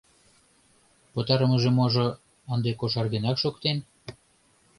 Пытарымыже-можо, ынде кошаргенак шуктен.